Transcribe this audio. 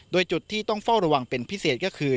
โดยจุดที่ต้องเฝ้าระวังเป็นพิเศษก็คือ